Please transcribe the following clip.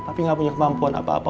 tapi gak punya kemampuan apa apa